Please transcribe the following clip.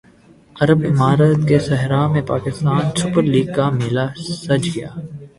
عرب امارات کے صحرا میں پاکستان سپر لیگ کا میلہ سج گیا